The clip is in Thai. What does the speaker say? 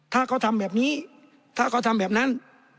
ถ้าเขาทำแบบนี้ถ้าเขาทำแบบนั้น